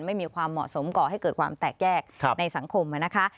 ไม่มีความเหมาะสมก่อให้เกิดความแตกแยกในสังคมนะคะ